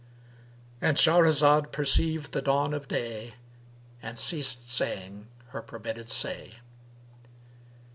—And Shahrazad perceived the dawn of day and ceased saying her permitted say.